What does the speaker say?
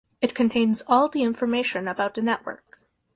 It contains all the information about the network.